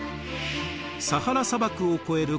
サハラ砂漠を越える